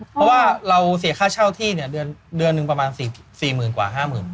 เพราะว่าเราเสียค่าเช่าที่เนี่ยเดือนนึงประมาณสี่หมื่นกว่าห้าหมื่น